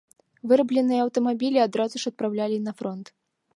Вырабленыя аўтамабілі адразу ж адпраўлялі на фронт.